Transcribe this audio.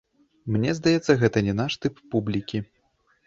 Мне здаецца, гэта не наш тып публікі.